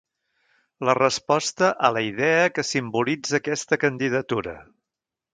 La resposta a la idea que simbolitza aquesta candidatura.